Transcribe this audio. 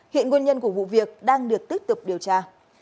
hiện nguyên nhân của vụ việc đang được tiếp tục điều tra